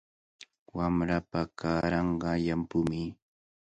Wamrapa kaaranqa llampumi.